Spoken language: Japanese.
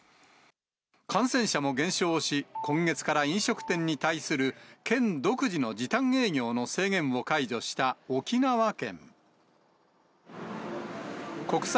感染者も減少し、今月から飲食店に対する県独自の時短営業の制限が解除となった沖縄県。